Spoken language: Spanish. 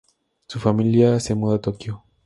Su familia se muda a Tokio.